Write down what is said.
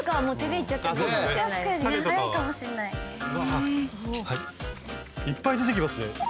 いっぱい出てきますね。